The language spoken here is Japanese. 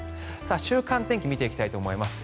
週間天気を見ていきたいと思います。